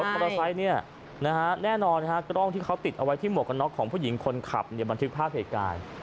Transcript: มอเตอร์ไซค์แน่นอนกล้องที่เขาติดเอาไว้ที่หมวกกันน็อกของผู้หญิงคนขับบันทึกภาพเหตุการณ์